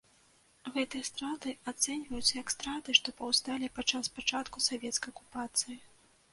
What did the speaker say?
Гэтыя страты ацэньваюцца як страты, што паўсталі падчас пачатку савецкай акупацыі.